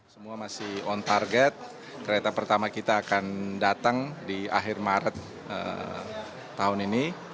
semua masih on target kereta pertama kita akan datang di akhir maret tahun ini